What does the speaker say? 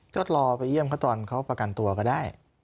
ก็รอไปเยี่ยมเขาตอนเขาประกันตัวก็ได้